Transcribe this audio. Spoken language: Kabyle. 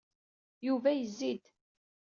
Yuba yezzi-d.